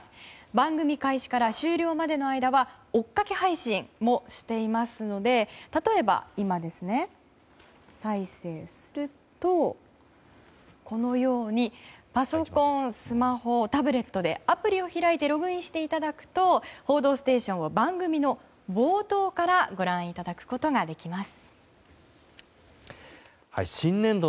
番組開始から終了までの間は追っかけ配信もしていますので例えば今、再生するとこのようにパソコン、スマホ、タブレットでアプリを開いてログインしていただくと「報道ステーション」を番組の冒頭からご覧いただくことができます。